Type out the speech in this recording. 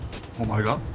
お前が？